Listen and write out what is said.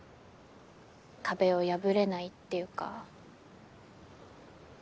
壁を破れないっていうか。